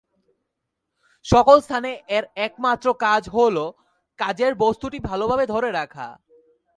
সকল স্থানে এর একমাত্র কাজ হোল কাজের বস্তুটি ভালোভাবে ধরে রাখা।